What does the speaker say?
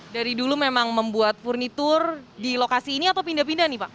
dari dulu memang membuat furnitur di lokasi ini atau pindah pindah nih pak